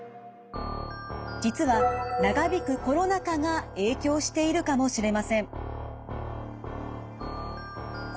実は長引くコロナ禍が影響しているかもしれません。